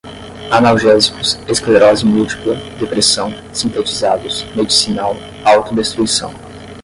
analgésicos, esclerose múltipla, depressão, sintetizados, medicinal, autodestruição